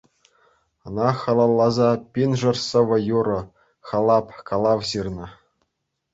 Ӑна халалласа пиншер сӑвӑ-юрӑ, халап, калав ҫырӑннӑ.